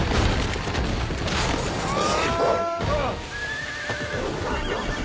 うわ！